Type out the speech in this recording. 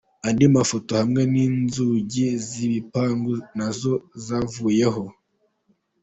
Andi mafoto:Hamwe inzugi z’ibipangu nazo zavuyeho.